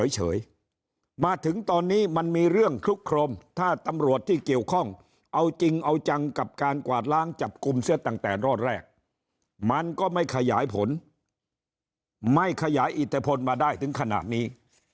มาถึงตอนนี้มันมีเรื่องคลุกโครมถ้าตำรวจที่เกี่ยวข้องเอาจริงเอาจังกับการกวาดล้างจับกลุ่มเสียตั้งแต่รอดแรกมันก็ไม่ขยายผลไม่ขยายอิทธพลมาได้ถึงขนาดนี้